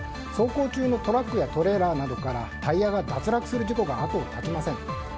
走行中のトラックやトレーラーなどからタイヤが脱落する事故が後を絶ちません。